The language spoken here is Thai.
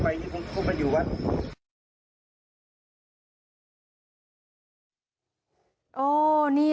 ถ้าบอกว่ากลับไปหรือลองทำงาน